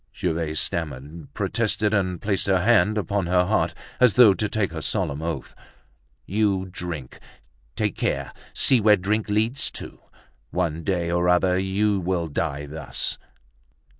Gervaise stammered, protested, and placed her hand upon her heart, as though to take her solemn oath. "You drink! Take care; see where drink leads to. One day or other you will die thus."